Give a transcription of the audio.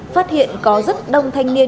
phát hiện có rất đông thanh niên